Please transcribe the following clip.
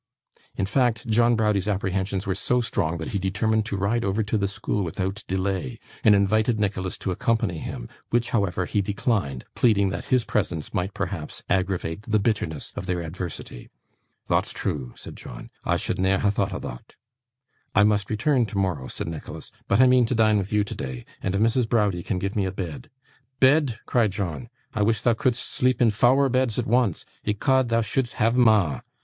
In fact, John Browdie's apprehensions were so strong that he determined to ride over to the school without delay, and invited Nicholas to accompany him, which, however, he declined, pleading that his presence might perhaps aggravate the bitterness of their adversity. 'Thot's true!' said John; 'I should ne'er ha' thought o' thot.' 'I must return tomorrow,' said Nicholas, 'but I mean to dine with you today, and if Mrs. Browdie can give me a bed ' 'Bed!' cried John, 'I wish thou couldst sleep in fower beds at once. Ecod, thou shouldst have 'em a'.